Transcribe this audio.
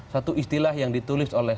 satu istilah yang ditulis oleh